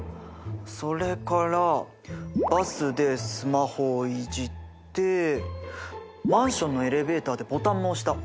それからバスでスマホをいじってマンションのエレベーターでボタンも押した。